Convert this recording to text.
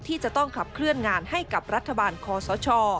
ที่จะต้องขับเคลื่อนงานให้กับรัฐบาลคอสช